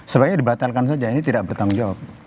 sebaiknya dibatalkan saja ini tidak bertanggung jawab